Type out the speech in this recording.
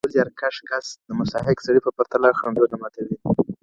ولي زیارکښ کس د مستحق سړي په پرتله خنډونه ماتوي؟